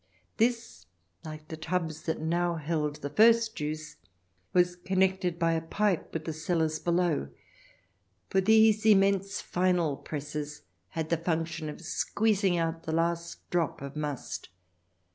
This, like the tubs that now held the first juice, was connected by a pipe with the cellars below, for these immense, final presses had the function of squeezing out the last drop of must.